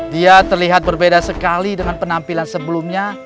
dia terlihat berbeda sekali dengan penampilan sebelumnya